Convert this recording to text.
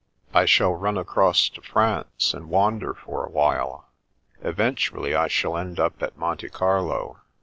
I shall run across to France and wander for a while. Eventually, I shall end up at Monte Carlo.